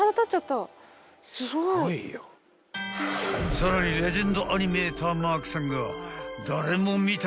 ［さらにレジェンドアニメーターマークさんが］